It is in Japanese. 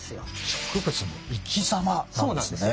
植物の生き様なんですね。